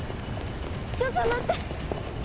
ちょっと待って！